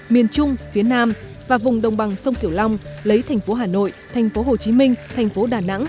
miền trung phía nam và vùng đồng bằng sông kiểu long lấy thành phố hà nội thành phố hồ chí minh thành phố đà nẵng